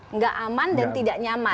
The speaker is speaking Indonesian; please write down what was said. nggak aman dan tidak nyaman